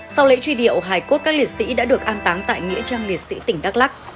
sau lễ truy điệu hải cốt các liệt sĩ đã được an táng tại nghĩa trang liệt sĩ tỉnh đắk lắc